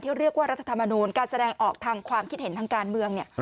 เรียกว่ารัฐธรรมนูลการแสดงออกทางความคิดเห็นทางการเมือง